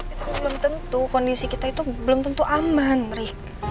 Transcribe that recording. itu belum tentu kondisi kita itu belum tentu aman ri